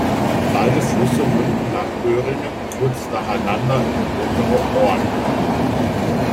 Beide Flüsse münden nach Öhringen kurz nacheinander in die untere Ohrn.